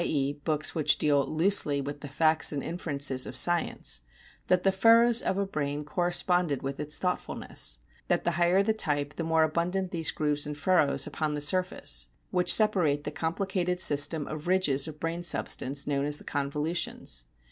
e., books which deal loosely with the facts and inferences of science that the furrows of a brain corresponded with its thoughtfulness ; that the higher the type the more abundant those grooves and furrows upon the surface, which separate the complicated system of ridges of brain substance known as the convolutions.